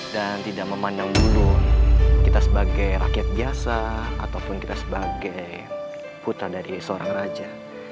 dan tidak memandang dulu kita sebagai rakyat biasa ataupun kita sebagai putra dari seorang raja